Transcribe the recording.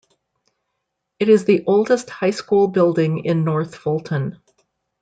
It is the oldest high school building in North Fulton.